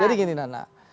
jadi gini nana